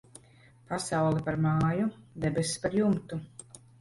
Pasaule par māju, debess par jumtu.